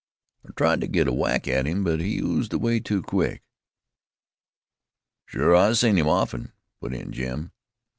"I tried to get a whack at him, but he oozed away too quick." "Shore I seen him often," put in Jim.